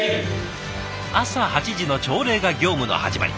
朝８時の朝礼が業務の始まり。